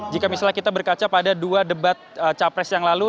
jika misalnya kita berkaca pada dua debat capres yang lalu